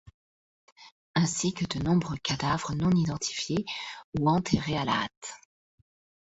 Ainsi que de nombreux cadavres non identifiés ou enterrés à la hâte.